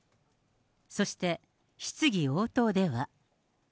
そして、質疑応答では。